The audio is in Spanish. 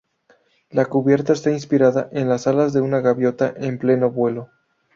La cubierta está inspirada en las alas de una gaviota en pleno vuelo.